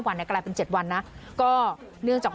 ปอล์กับโรเบิร์ตหน่อยไหมครับ